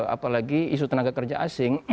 apalagi isu tenaga kerja asing